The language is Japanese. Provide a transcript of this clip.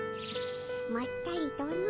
まったりとの。